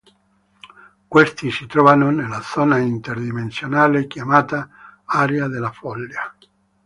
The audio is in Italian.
Questi si trovano nella zona inter-dimensionale chiamata "Area della Follia".